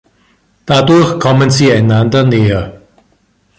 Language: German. Dadurch kommen sie einander näher.